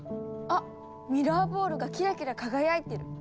あっミラーボールがキラキラ輝いてる。